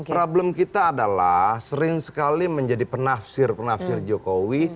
problem kita adalah sering sekali menjadi penafsir penafsir jokowi